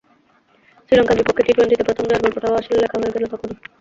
শ্রীলঙ্কার বিপক্ষে টি-টোয়েন্টিতে প্রথম জয়ের গল্পটাও আসলে লেখা হয়ে গেল তখনই।